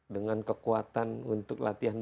dengan kekuatan untuk latihan